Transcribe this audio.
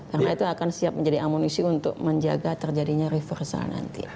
karena itu akan siap menjadi amunisi untuk menjaga terjadinya reversal nanti